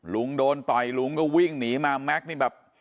ลุงโดนต่อยลุงก็วิ่งหนีมาแม็กซ์นี่แบบ